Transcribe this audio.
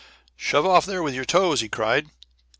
"Shove off there with your toes!" he cried.